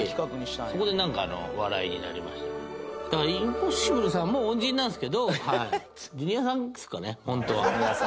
だからインポッシブルさんも恩人なんですけどジュニアさんですかね本当は。